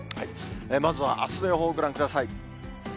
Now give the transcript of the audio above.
まずは、あすの予報をご覧ください。